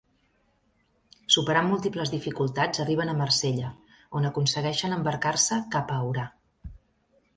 Superant múltiples dificultats arriben a Marsella, on aconsegueixen embarcar-se cap a Orà.